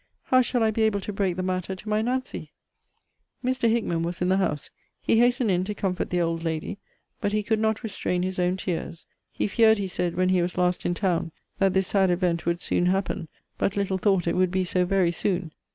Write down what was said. How shall I be able to break the matter to my Nancy? Mr. Hickman was in the house. He hastened in to comfort the old lady but he could not restrain his own tears. He feared, he said, when he was last in town, that this sad event would soon happen; but little thought it would be so very soon!